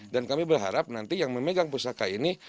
dan kami berharap nanti yang memegang pusaka ini